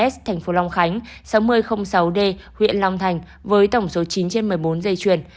sáu mươi hai s tp long khánh sáu mươi sáu d huyện long thành với tổng số chín trên một mươi bốn dây chuyền